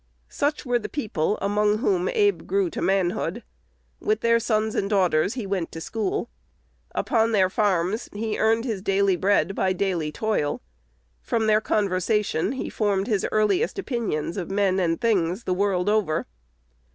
Such were the people among whom Abe grew to manhood. With their sons and daughters he went to school. Upon their farms he earned his daily bread by daily toil. From their conversation he formed his earliest opinions of men and things, the world over.